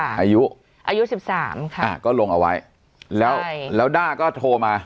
อายุอายุสิบสามค่ะอ่าก็ลงเอาไว้แล้วแล้วด้าก็โทรมา